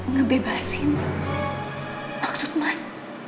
ngebebasin maksud mas